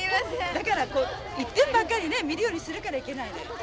だからこう一点ばかりね見るようにするからいけないのよ。